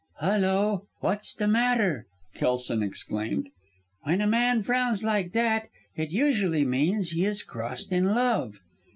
"Hulloa! what's the matter?" Kelson exclaimed. "When a man frowns like that, it usually means he is crossed in love."